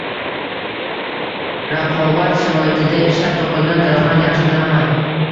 Raqobat sharoitida ishlab topilgan daromad – yaxshi daromad.